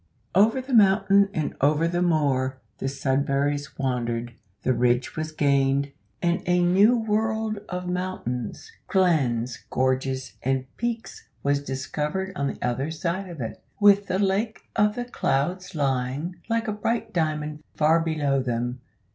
"Over the mountain and over the moor" the Sudberrys wandered. The ridge was gained, and a new world of mountains, glens, gorges, and peaks was discovered on the other side of it, with the Lake of the Clouds lying, like a bright diamond, far below them.